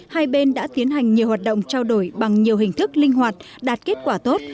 hai bên đã tiến hành nhiều hoạt động trao đổi bằng nhiều hình thức linh hoạt đạt kết quả tốt